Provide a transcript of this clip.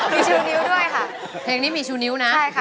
มีชูนิ้วด้วยค่ะมีชูนิ้วด้วยค่ะเพลงนี้มีชูนิ้วนะใช่ค่ะ